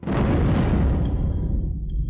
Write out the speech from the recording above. terima kasih om